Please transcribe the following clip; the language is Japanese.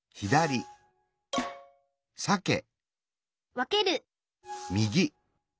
わける